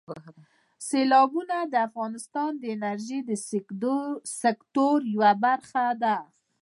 سیلابونه د افغانستان د انرژۍ سکتور یوه برخه ده.